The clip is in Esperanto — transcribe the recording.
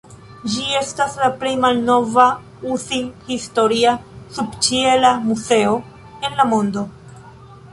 Ĝi estas la plej malnova uzin-historia subĉiela muzeo en la mondo.